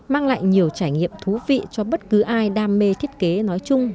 mang lại nhiều trải nghiệm thú vị cho bất cứ ai đam mê thiết kế nói chung